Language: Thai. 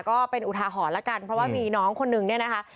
ก็เป็นอุทาหรณ์แล้วกันเพราะว่ามีน้องคนนึงเนี่ยนะคะ